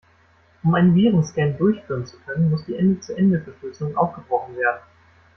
Um einen Virenscan durchführen zu können, muss die Ende-zu-Ende-Verschlüsselung aufgebrochen werden.